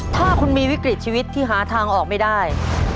ถ้าคุณมีวิกฤตชีวิตที่หาทางออกไม่ได้